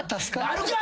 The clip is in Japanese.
あるか！